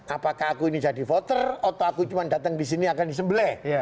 apakah aku ini jadi voter atau aku cuma datang di sini akan disembelih